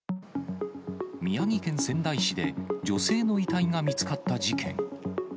宮城県仙台市で女性の遺体が見つかった事件。